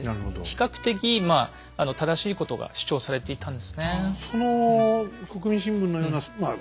比較的まあ正しいことが主張されていたんですね。